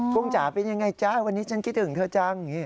กุ้งจ๋าเป็นยังไงจ๊ะวันนี้ฉันคิดถึงเธอจัง